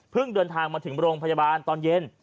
เดินทางมาถึงโรงพยาบาลตอนเย็น